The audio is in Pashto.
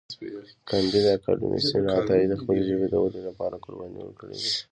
کانديد اکاډميسن عطایي د خپلې ژبې د ودې لپاره قربانۍ ورکړې دي.